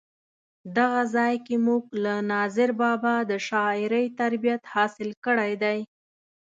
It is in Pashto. دغه ځای کې مونږ له ناظر بابا د شاعرۍ تربیت حاصل کړی دی.